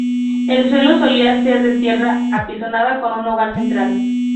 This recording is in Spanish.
El suelo solía ser de tierra apisonada con un hogar central.